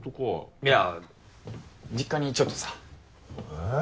いや実家にちょっとさ。